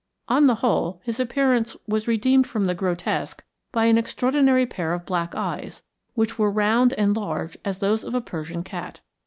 On the whole his appearance was redeemed from the grotesque by an extraordinary pair of black eyes, which were round and large as those of a Persian cat.